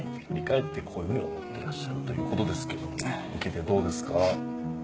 振り返ってこういう風に思ってらっしゃるという事ですけども受けてどうですか？